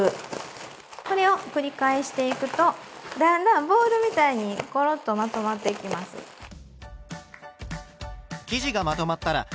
これを繰り返していくとだんだんボールみたいにコロッとまとまっていきます。